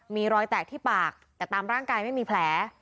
มีรอยแตกที่ปากแต่ตามร่างกายไม่มีแผล